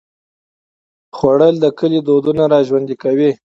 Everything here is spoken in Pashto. خوړل د کلي دودونه راژوندي کوي